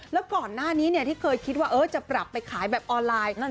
แล้วก่อนหน้านี้ที่เคยคิดว่าจะปรับไปขายแบบออนไลน์